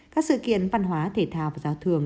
các sự kiện văn hóa thể thao và giao thường